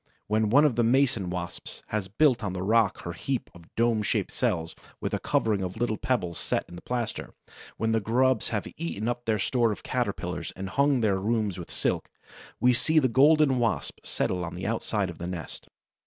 When one of the Mason wasps has built on the rock her heap of dome shaped cells, with a covering of little pebbles set in the plaster, when the grubs have eaten up their store of Caterpillars and hung their rooms with silk, we see the Golden Wasp settle on the outside of the nest.